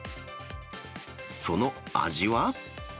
その味は？